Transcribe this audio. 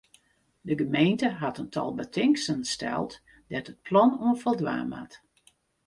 De gemeente hat in tal betingsten steld dêr't it plan oan foldwaan moat.